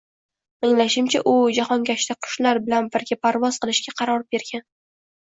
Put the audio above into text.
Anglashimcha, u jahongashta qushlar bilan birga parvoz qilishga qaror bergan.